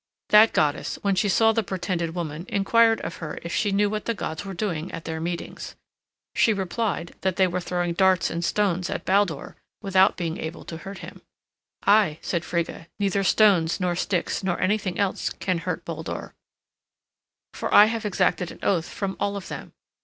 That goddess, when she saw the pretended woman, inquired of her if she knew what the gods were doing at their meetings. She replied that they were throwing darts and stones at Baldur, without being able to hurt him. "Ay," said Frigga, "neither stones, nor sticks, nor anything else can hurt Baldur, for I have exacted an oath from all of them."